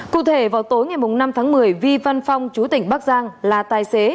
cụ thể vào tối ngày năm tháng một mươi vi văn phong chú tỉnh bắc giang